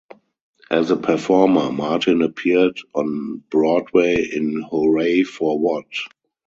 As a performer, Martin appeared on Broadway in Hooray for What!